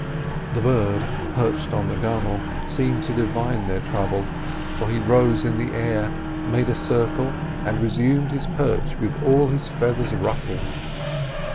The bird perched on the gunwale seemed to divine their trouble, for he rose in the air, made a circle, and resumed his perch with all his feathers ruffled.